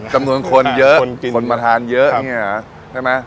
จำนวนคนเยอะคนกินคนมาทานเยอะเนี่ยใช่ไหม